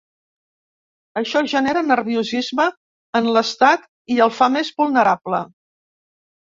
Això genera nerviosisme en l’estat i el fa més vulnerable.